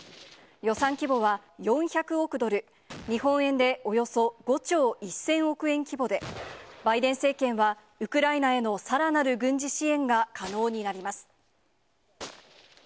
予算規模は４００億ドル、日本円でおよそ５兆１０００億円規模で、バイデン政権は、ウクライナへのさらなる軍事支援が可能になります。